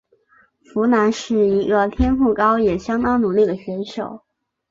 佛兰是一个天赋高也相当努力的选手。